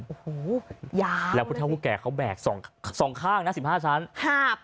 โอ้โหยาวแล้วผู้เท่าผู้แก่เขาแบกสองสองข้างนะสิบห้าชั้นครับ